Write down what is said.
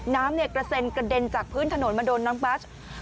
น้ำกระเซ็นกระเด็นจากพื้นถนนมาโดนน้องบัส